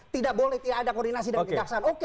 tidak boleh tiada koordinasi dan kejaksaan oke